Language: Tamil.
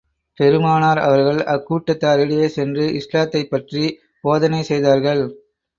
பெருமானார் அவர்கள், அக்கூட்டத்தாரிடையே சென்று இஸ்லாத்தைப் பற்றிப் போதனை செய்தார்கள்.